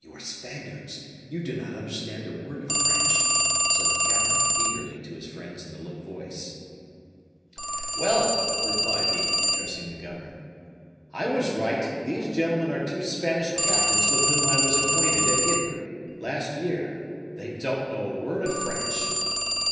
"You are Spaniards you do not understand a word of French," said the captain, eagerly, to his friends in a low voice. "Well!" replied he, addressing the governor, "I was right; these gentlemen are two Spanish captains with whom I was acquainted at Ypres, last year; they don't know a word of French."